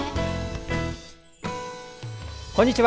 こんにちは。